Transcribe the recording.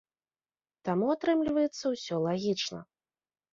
Таму атрымліваецца ўсё лагічна.